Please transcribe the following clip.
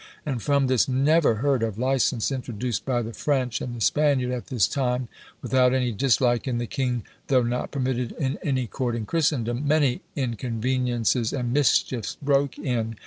And from this never heard of license, introduced by the French and the Spaniard at this time, without any dislike in the king, though not permitted in any court in Christendom, many inconveniences and mischiefs broke in, which could never after be shut out."